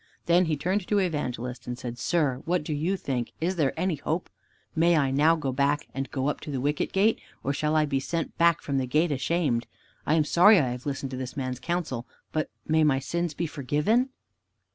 Then he turned to Evangelist and said, "Sir, what do you think? Is there any hope? May I now go back and go up to the Wicket gate? Or shall I be sent back from the gate ashamed? I am sorry I have listened to this man's counsel, but may my sins be forgiven?"